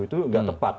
itu tidak tepat